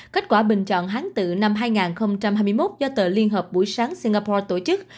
kết quả bình chọn hán tự năm hai nghìn hai mươi một do tờ liên hợp buổi sáng singapore tổ chức